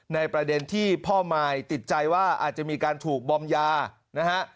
ในประเด็นที่พ่อมายติดใจว่าอาจจะมีการถูกบอมยานะฮะ